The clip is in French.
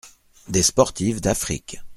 Des sportives d’Afrique.